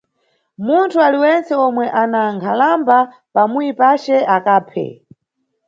Munthu aliwentse omwe ana nkhalamba pa muyi pace, akaphe.